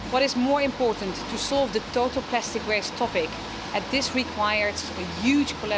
dari desain produk mereka